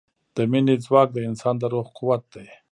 د مینې ځواک د انسان د روح قوت دی.